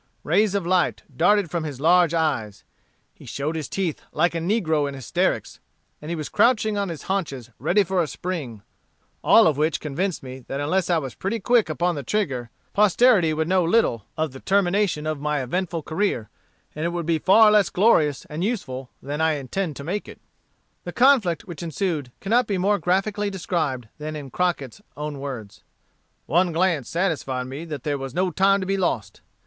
Rays of light darted from his large eyes, he showed his teeth like a negro in hysterics, and he was crouching on his haunches ready for a spring; all of which convinced me that unless I was pretty quick upon the trigger, posterity would know little of the termination of my eventful career, and it would be far less glorious and useful than I intend to make it." The conflict which ensued cannot be more graphically described than in Crocket's own words: "One glance satisfied me that there was no time to be lost.